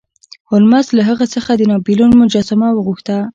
هولمز له هغه څخه د ناپلیون مجسمه وغوښته.